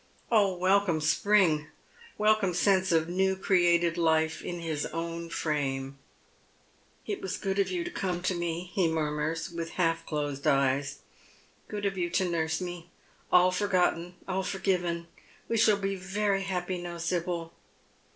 Oh, welcome spring — welcome sense of new created life in his own frame ! "^t was good of you to come to me," he munnurs, with half closed eyes, " good of you to nurse me. All forgotten, all for given. We shall be very happy now, Sibyl."